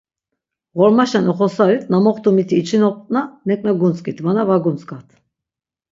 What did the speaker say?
Ğormaşen oxosarit, na moxtu miti içinoptna nek̆na guntzk̆it, vana va guntzk̆at.